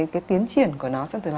cái tiến triển của nó